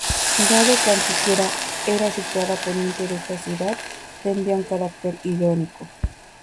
Dado que Antequera está situada a poniente de esta ciudad, tendría un carácter irónico.